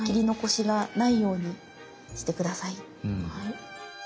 はい。